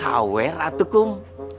sawer ya tukum